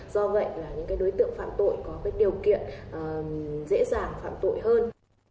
do vậy là những đối tượng phạm tội có điều kiện dễ dàng phạm tội hơn